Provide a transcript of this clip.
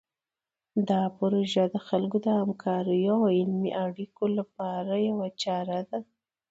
دا پروژه د خلکو د همکاریو او علمي اړیکو لپاره یوه چاره ده.